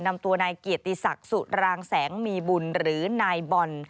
นำตัวนายเกียรติศักดิ์สุรางแสงมีบุญหรือนายบอล